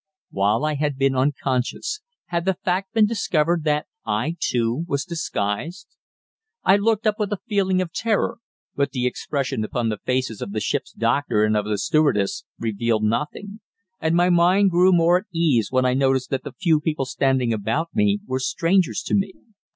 While I had been unconscious, had the fact been discovered that I too was disguised? I looked up with a feeling of terror, but the expression upon the faces of the ship's doctor and of the stewardess revealed nothing, and my mind grew more at ease when I noticed that the few people standing about were strangers to me.